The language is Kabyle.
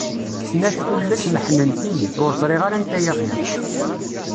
Snat tullas meḥḥnent-iyi, ur ẓriɣ anta ay axir.